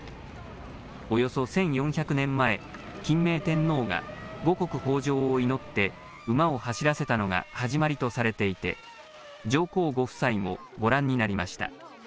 およそ１４００年前、欽明天皇が五穀豊じょうを祈って馬を走らせたのが始まりとされていて上皇ご夫妻もご覧になりました。